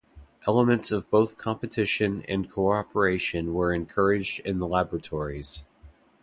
Elements of both competition and cooperation were encouraged in the laboratories.